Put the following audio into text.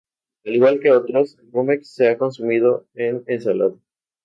Al igual que otros "Rumex", se ha consumido en ensalada.